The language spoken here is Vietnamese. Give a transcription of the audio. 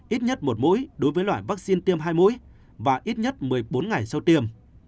ít nhất một mũi đối với loại vaccine tiêm hai mũi và ít nhất một mươi bốn ngày sau tiêm